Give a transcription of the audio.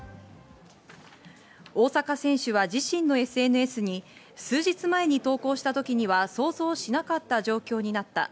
大坂選手は自身のＳＮＳに数日前に投稿した時には想像しなかった状況になった。